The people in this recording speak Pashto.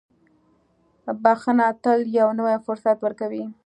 • بښنه تل یو نوی فرصت ورکوي.